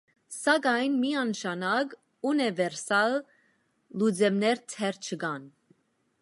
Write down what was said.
Սակայն միանշանակ ունիվերսալ լուծումներ դեռ չկան։